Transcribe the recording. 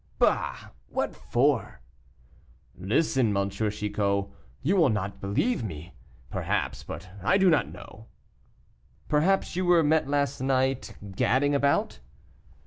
"Bah! what for?" "Listen, M. Chicot; you will not believe me, perhaps, but I do not know." "Perhaps you were met last night gadding about."